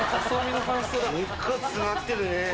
結構詰まってるね。